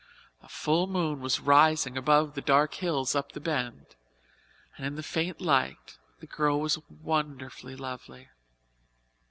A full moon was rising above the dark hills up the Bend and in the faint light the girl was wonderfully lovely.